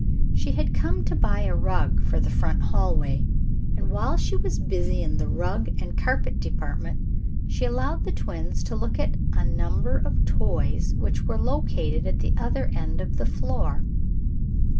She had come to buy a rug for the front hallway, and while she was busy in the rug and carpet department she allowed the twins to look at a number of toys which were located at the other end of the floor.